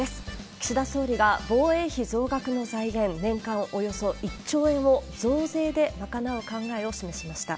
岸田総理が防衛費増額の財源、年間およそ１兆円を増税で賄う考えを示しました。